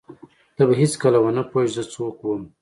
ته به هېڅکله ونه پوهېږې چې زه څوک وم.